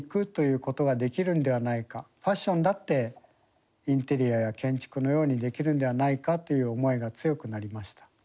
ファッションだってインテリアや建築のようにできるんではないかという思いが強くなりました。